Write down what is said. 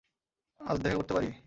আজ দেখা করতে পারি?